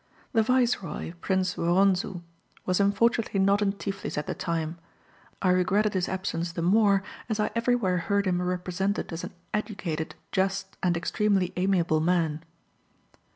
The viceroy, Prince Woronzou, was unfortunately not in Tiflis at the time. I regretted his absence the more, as I everywhere heard him represented as an educated, just, and extremely amiable man.